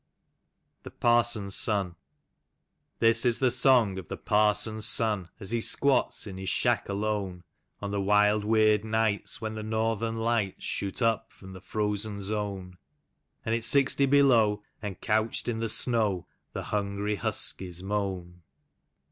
11 THE PARSON'S SON. THIS is the song of the parsons son, as he squats in his shack alone. On the wild, lueird nights when the Nortliern Lights shoot up from the frozen zone, And it's sixty helovj, and couched in the snoiv the hungry husTcies moan.